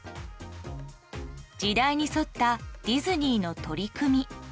時代に沿ったディズニーの取り組み。